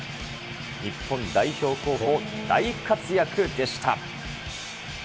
日本代表候補、大活躍でした。